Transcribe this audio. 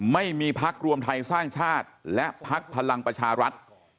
ไม่มีพักรวมไทยสร้างชาติและพักพลังประชารัฐ